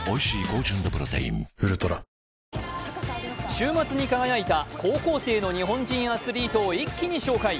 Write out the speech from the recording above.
週末に輝いた高校生の日本人アスリートを一気に紹介。